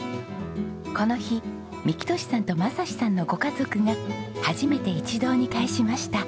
この日幹寿さんと雅士さんのご家族が初めて一堂に会しました。